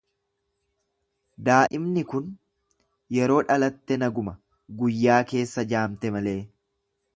Daa'imni kun yeroo dhalatte naguma guyyaa keessa jaamte malee.